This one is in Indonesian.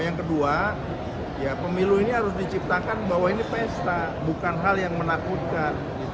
yang kedua pemilu ini harus diciptakan bahwa ini pesta bukan hal yang menakutkan